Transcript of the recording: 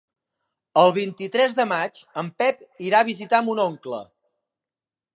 El vint-i-tres de maig en Pep irà a visitar mon oncle.